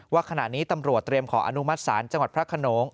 ว่าขณะนี้ตำรวจเตรียมขออนุมัติศาลจังหวัดพระขนง